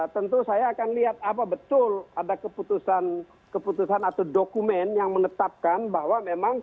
tentu saya akan lihat apa betul ada keputusan atau dokumen yang menetapkan bahwa memang